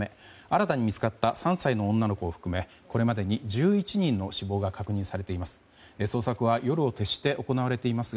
新たに見つかった３歳の女の子を含めこれまでに１１人の死亡が確認されています。